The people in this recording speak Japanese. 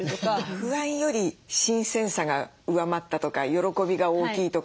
不安より新鮮さが上回ったとか喜びが大きいとか。